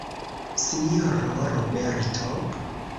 Sinjoro Roberto?